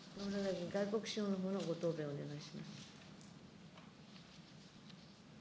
外国資本のご答弁をお願いします。